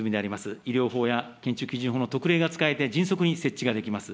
医療法や建築基準法の特例扱いで迅速に設置ができます。